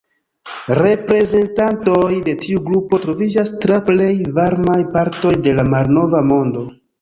Reprezentantoj de tiu grupo troviĝas tra plej varmaj partoj de la Malnova Mondo.